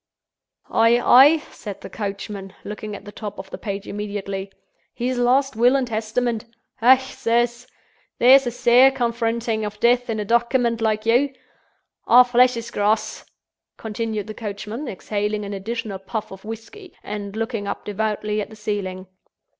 "Ay, ay," said the coachman, looking at the top of the page immediately. "His last Will and Testament. Hech, sirs! there's a sair confronting of Death in a Doecument like yon! A' flesh is grass," continued the coachman, exhaling an additional puff of whisky, and looking up devoutly at the ceiling.